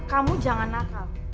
kamu jangan nakal